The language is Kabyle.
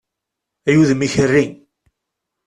Ay udem n ikerri!